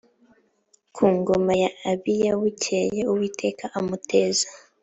ku ngoma ya abiya bukeye uwiteka amuteza